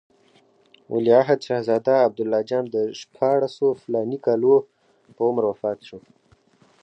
ولیعهد شهزاده عبدالله جان د شپاړسو فلاني کالو په عمر وفات شو.